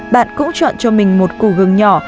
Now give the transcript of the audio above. bạn cũng chọn cho mình một củ gừng nhỏ